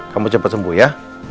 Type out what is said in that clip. kamu cepet sembuh ya